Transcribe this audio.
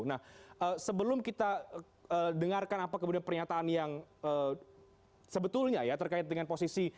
nah sebelum kita dengarkan apa kemudian pernyataan yang sebetulnya ya terkait dengan posisi